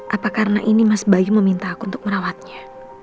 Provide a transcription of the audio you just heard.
apa karena ini mas bayu meminta aku untuk merawatnya